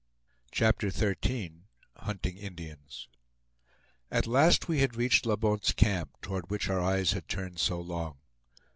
CHAPTER XIII HUNTING INDIANS At last we had reached La Bonte's Camp, toward which our eyes had turned so long.